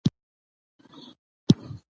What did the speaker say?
سیندونه د افغانانو لپاره په معنوي لحاظ ارزښت لري.